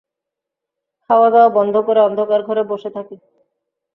খাওয়াদাওয়া বন্ধ করে অন্ধকার ঘরে বসে থাকে।